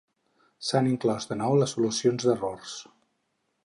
S'han inclòs de nou les solucions d'errors.